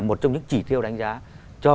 một trong những chỉ tiêu đánh giá cho